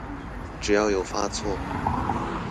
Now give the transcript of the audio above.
只要有發錯